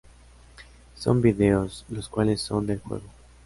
Son videos, los cuales son del juego.